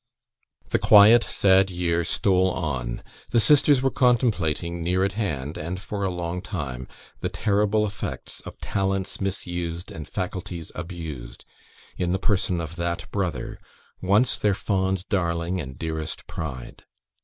The quiet, sad year stole on. The sisters were contemplating near at hand, and for a long time, the terrible effects of talents misused and faculties abused in the person of that brother, once their fond darling and dearest pride.